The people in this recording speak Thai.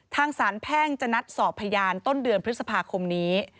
ทางสารแพ่งจะนัดสอบพยานต้นเดือนพฤษภาคมนี้